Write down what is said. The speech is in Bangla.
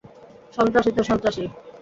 সন্ত্রাসী তো সন্ত্রাসীই।